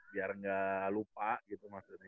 biar nggak lupa gitu maksudnya